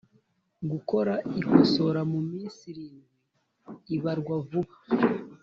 gukora ikosora mu minsi irindwi ibarwa vuba